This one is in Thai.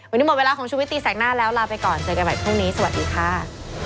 วันนี้หมดเวลาของชุวิตตีแสกหน้าแล้วลาไปก่อนเจอกันใหม่พรุ่งนี้สวัสดีค่ะ